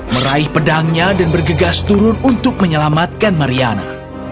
meraih pedangnya dan bergegas turun untuk menyelamatkan mariana